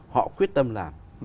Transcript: họ quyết tâm làm